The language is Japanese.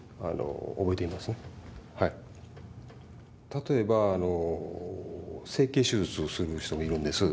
例えば整形手術をする人もいるんです。